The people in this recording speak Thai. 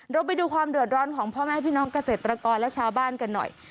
เราไปดูความเดือดร้อนของพ่อแม่พี่น้องเกษตรกรและชาวบ้านกันหน่อย